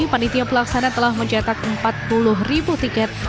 panitia pelaksana telah mencetak empat puluh ribu tiket